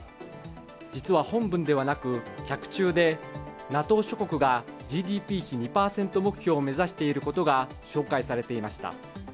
実は本文ではなく脚注で、ＮＡＴＯ諸国がＧＤＰ比２％目標を目指していることが紹介されていました。